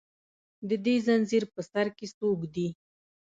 د دې زنځیر په سر کې څوک دي